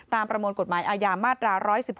ประมวลกฎหมายอาญามาตรา๑๑๒